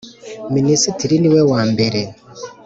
Minisitiri niwe wambere